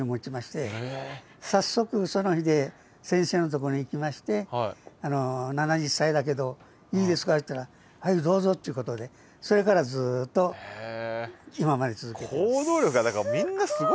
早速その日で先生のところに行きまして「７０歳だけどいいですか？」と言ったら「はいどうぞ」ということでそれからずっと今まで続けてます。